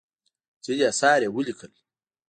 ځینې اثار یې ولیکل.